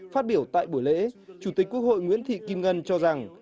phát biểu tại buổi lễ chủ tịch quốc hội nguyễn thị kim ngân cho rằng